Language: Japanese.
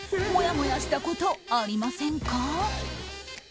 もやもやしたことありませんか？